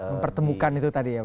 mempertemukan itu tadi ya